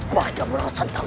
kau jauh lebih pantas